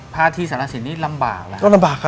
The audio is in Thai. พาทีสาราศีลลำบาก